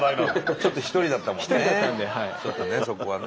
ちょっと一人だったもんね